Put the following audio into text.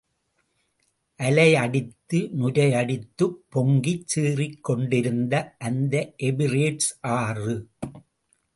அலையடித்து நுரையடித்துப் பொங்கிச் சீறிக்கொண்டிருந்தது அந்த ஏபிரேட்ஸ் ஆறு.